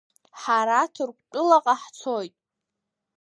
Ҳара Ҭырқәтәылаҟа ҳцоит.